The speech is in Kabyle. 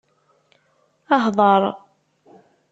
Hḍeṛ.